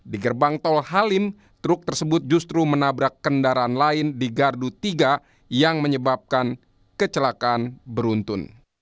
di gerbang tol halim truk tersebut justru menabrak kendaraan lain di gardu tiga yang menyebabkan kecelakaan beruntun